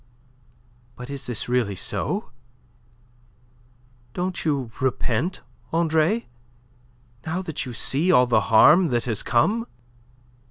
"But is this really so? Don't you repent, Andre now that you see all the harm that has come?"